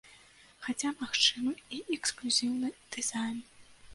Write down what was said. Хаця магчымы і эксклюзіўны дызайн.